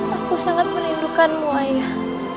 aku sangat merindukanmu ayah